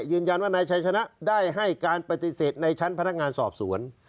ยืนยันว่านายชัยชนะได้ให้การปฏิเสธในชั้นพนักงานสอบสวน